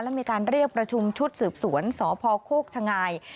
และมีการเรียกประชุมชุดสืบสวนสพโคกชะงาย